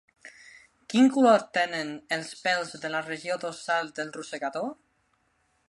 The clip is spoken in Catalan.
Quin color tenen els pèls de la regió dorsal del rosegador?